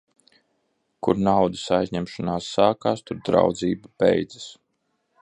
Kur naudas aizņemšanās sākas, tur draudzība beidzas.